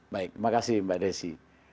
baik terima kasih mbak desi